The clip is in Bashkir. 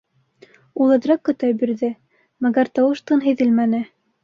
Ул әҙерәк көтә бирҙе, мәгәр тауыш-тын һиҙелмәне.